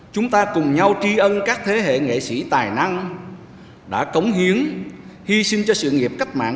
chúng ta cùng nhau tri ân các thế hệ nghệ sĩ tài năng đã cống hiến hy sinh cho sự nghiệp cách mạng